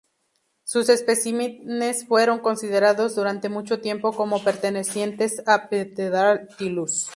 Sus especímenes fueron considerados durante mucho tiempo como pertenecientes a "Pterodactylus".